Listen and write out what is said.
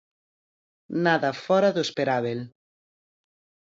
Nada fóra do esperábel.